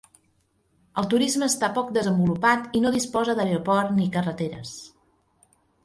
El turisme està poc desenvolupat i no disposa d'aeroport ni carreteres.